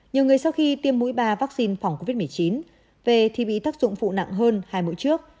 nhiều người sau khi tiêm mũi ba vaccine phòng covid một mươi chín về thì bị tác dụng phụ nặng hơn hai mũi trước